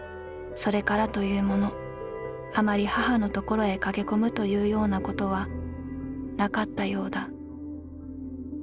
それからというもの余り母のところへ駆け込むというような事はなかったようだ」。